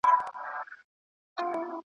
ماشومانو چي تلکه ایښودله `